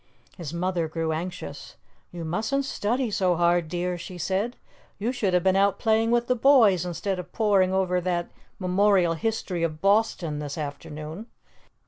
His mother grew anxious. "You mustn't study so hard, dear," she said. "You should have been out playing with the boys instead of poring over that Memorial History of Boston this afternoon.